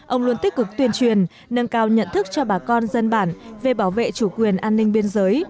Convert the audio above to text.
ông luôn tích cực tuyên truyền nâng cao nhận thức cho bà con dân bản về bảo vệ chủ quyền an ninh biên giới